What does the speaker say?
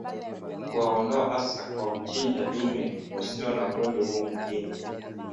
Kuwaondoa hasa kwa kuwachinja dume walio na ugonjwa huu mwilini